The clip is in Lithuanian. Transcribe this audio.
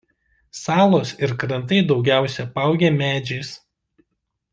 Salos ir krantai daugiausia apaugę medžiais.